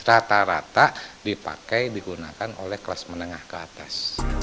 rata rata dipakai digunakan oleh kelas menengah ke atas